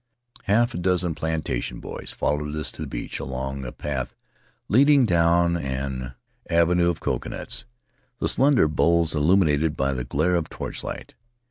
Half a dozen plantation boys fol lowed us to the beach, along a path leading down an avenue of coconuts, the slender boles illuminated by the glare of torchlight.